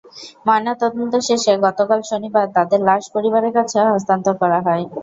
ময়নাতদন্ত শেষে গতকাল শনিবার তাঁদের লাশ পরিবারের কাছে হস্তান্তর করা হয়।